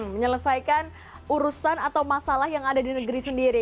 menyelesaikan urusan atau masalah yang ada di negeri sendiri